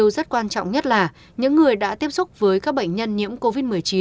điều rất quan trọng nhất là những người đã tiếp xúc với các bệnh nhân nhiễm covid một mươi chín